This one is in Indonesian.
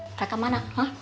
mereka mana hah